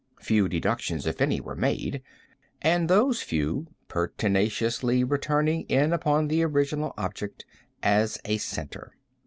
Few deductions, if any, were made; and those few pertinaciously returning in upon the original object as a centre.